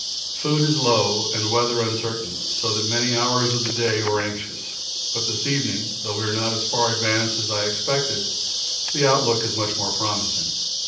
Food is low and weather uncertain, so that many hours of the day were anxious; but this evening, though we are not as far advanced as I expected, the outlook is much more promising.